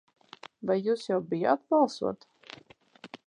Vai jūs jau bijāt balsot?